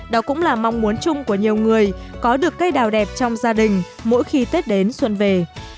đó cũng là mong muốn chung của nhiều người có được cây đào đẹp trong gia đình mỗi khi tết đến xuân về